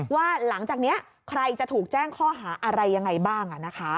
ว่าหลังจากนี้ใครจะถูกแจ้งข้อหาอะไรยังไงบ้าง